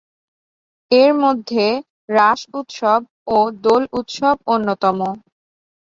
এর মধ্যে 'রাস-উৎসব' ও 'দোল-উৎসব' অন্যতম।